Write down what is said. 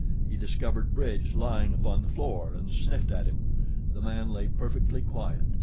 He discovered Bridge lying upon the floor and sniffed at him. The man lay perfectly quiet.